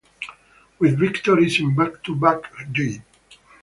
With victories in back to back J.